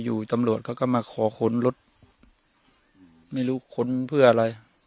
อยู่ตำรวจเขาก็มาขอค้นรถไม่รู้ค้นเพื่ออะไร